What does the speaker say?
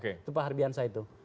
itu pak harbianzah itu